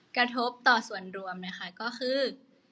กระทบต่อส่วนรวมนะคะก็คือ